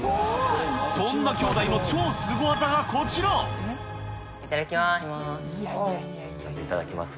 そんな兄弟の超スゴ技がこちいただきます。